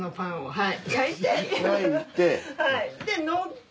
はい。